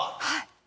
はい。